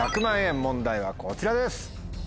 問題はこちらです！